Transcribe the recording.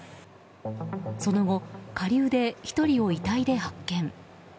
その後、下流で１人を遺体で発見。